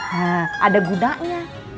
hah ada gunanya